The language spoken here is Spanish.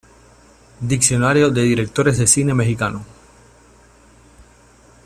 Diccionario de directores del cine mexicano.